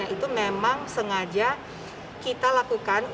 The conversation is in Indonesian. untuk menekan penyebaran covid sembilan belas di area yang sering disentuh